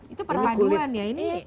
itu perpanduan ya ini